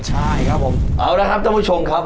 ใช่ครับผมเอาละครับท่านผู้ชมครับ